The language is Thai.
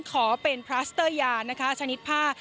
ขอเป็นพลาสเตอร์ยานะคะชนิดผ้า